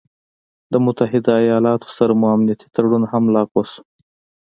د متحده ايالاتو سره مو امنيتي تړون هم لغوه شو